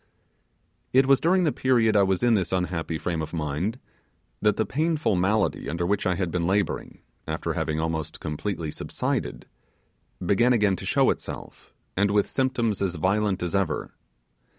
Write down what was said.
It was during the period I was in this unhappy frame of mind that the painful malady under which I had been labouring after having almost completely subsided began again to show itself, and with symptoms as violent as ever.